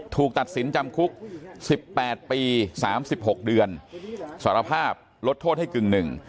ถูกตัดสินจำคุก๑๘ปี๓๖เดือนสารภาพลดโทษให้กึ่งหนึ่ง